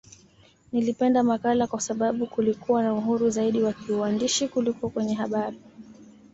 Nilipenda makala kwa sababu kulikuwa na uhuru zaidi wa kiuandishi kuliko kwenye habari